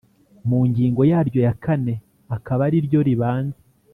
mu ngingo yaryo ya kane akaba ari ryo ribanza